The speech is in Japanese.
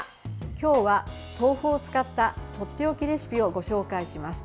今日は豆腐を使ったとっておきレシピをご紹介します。